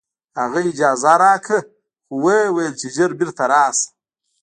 هغه اجازه راکړه خو وویل چې ژر بېرته راشه